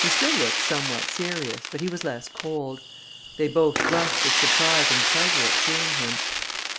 He still looked somewhat serious, but he was less cold. They both blushed with surprise and pleasure at seeing him.